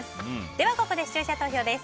ここで視聴者投票です。